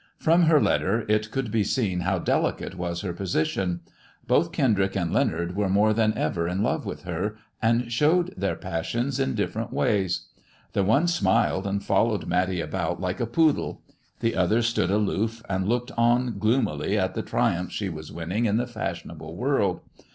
From her letter it could be seen how delicate was her position. Both Kendrick and Leonard were more than ever in love with her, and showed their passions in different ways. The one smiled, and followed Matty about like a poodle ; the other stood aloof, and looked on gloomily at the triumphs she was winning in the fashionable world.